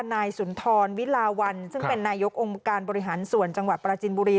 นายสุนทรวิลาวันซึ่งเป็นนายกองค์การบริหารส่วนจังหวัดปราจินบุรี